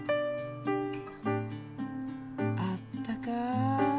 あったかい。